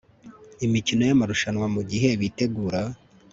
imikino yamarushanwa mugihe bitegura